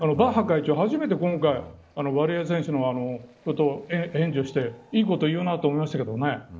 バッハ会長、初めて今回ワリエワ選手のことを援助していいこと言うなと思いましたけどね。